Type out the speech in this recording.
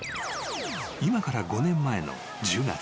［今から５年前の１０月］